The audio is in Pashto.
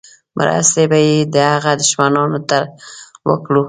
مرستې به یې د هغه دښمنانو ته ورکړو.